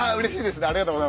ありがとうございます。